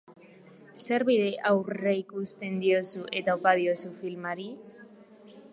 Zer bide aurreikusten diozu eta opa diozu filmari?